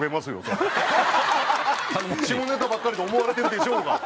下ネタばっかりと思われてるでしょうが。